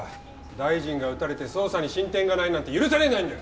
大臣が撃たれて捜査に進展がないなんて許されないんだよ！